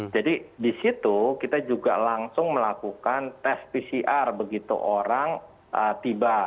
jadi di situ kita juga langsung melakukan tes pcr begitu orang tiba